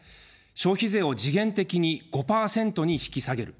消費税を時限的に５％に引き下げる。